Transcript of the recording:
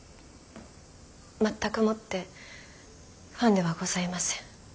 まったくもってファンではございません。